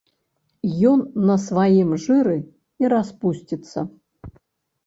Ён на сваім жыры і распусціцца.